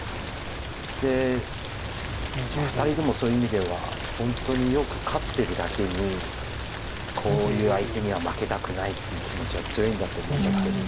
で２人ともそういう意味では本当によく勝ってるだけにこういう相手には負けたくないっていう気持ちは強いんだと思いますけど。